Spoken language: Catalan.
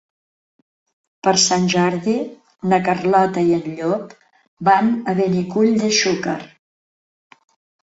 Per Sant Jordi na Carlota i en Llop van a Benicull de Xúquer.